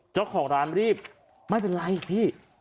เจ้าของร้านรีบไม่เป็นไรพี่